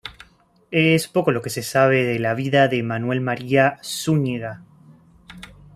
Es poco lo que se sabe de la vida de Manuel María Zúñiga.